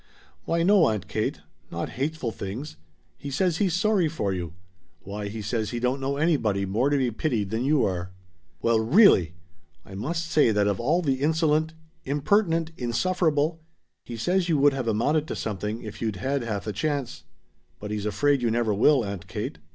"Why no, Aunt Kate; not hateful things. He says he's sorry for you. Why, he says he don't know anybody more to be pitied than you are." "Well really! I must say that of all the insolent impertinent insufferable " "He says you would have amounted to something if you'd had half a chance. But he's afraid you never will, Aunt Kate."